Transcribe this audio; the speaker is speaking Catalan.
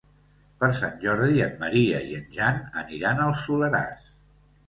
Per Sant Jordi en Maria i en Jan aniran al Soleràs.